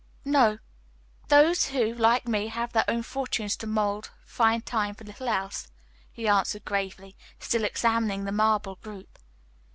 "No. Those who, like me, have their own fortunes to mold find time for little else," he answered gravely, still examining the marble group.